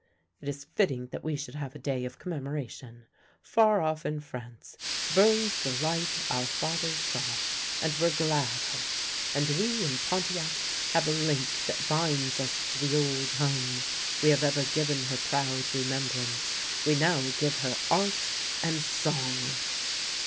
It is fitting that we should have a day of commemoration. Far off in France burns the light our fathers saw, and were glad of. And we in Pontiac have a link that binds us to the old home. We have ever given her proud remem brance — we now give her art and song!